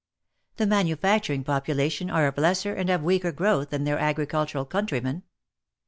The manufacturing population are of lesser and of weaker growth than their agricultural countrymen.